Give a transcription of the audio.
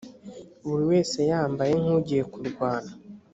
buri wese yambaye nk’ugiye kurwana